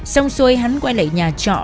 xong xuôi hắn quay lại nhà trọ